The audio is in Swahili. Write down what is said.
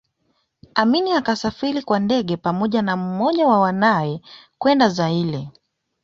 Amin akasafiri kwa ndege pamoja na mmoja wa wanawe kwenda Zaire